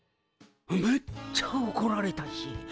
めっちゃおこられたし。